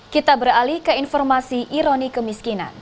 kita beralih ke informasi ironi kemiskinan